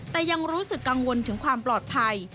แต่ยังรู้สึกกังวลถึงความปลอดภัย